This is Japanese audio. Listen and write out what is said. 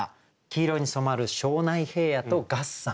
黄色に染まる庄内平野と月山。